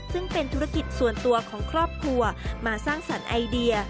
ซึ่งเป็นธุรกิจส่วนตัวของครอบครัวมาสร้างสรรค์ไอเดีย